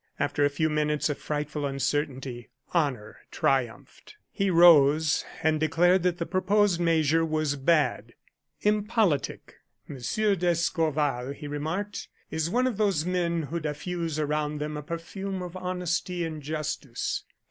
After a few minutes of frightful uncertainty, honor triumphed. He rose and declared that the proposed measure was bad impolitic. "Monsieur d'Escorval," he remarked, "is one of those men who diffuse around them a perfume of honesty and justice.